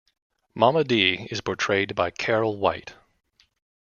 Mama D is portrayed by Carol White.